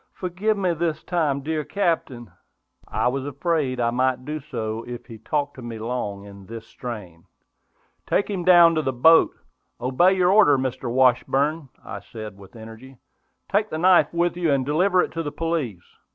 Forgive me this time, dear Captain!" I was afraid I might do so if he talked to me long in this strain. "Take him down to the boat! Obey your order, Mr. Washburn!" I said, with energy. "Take the knife with you, and deliver it to the police."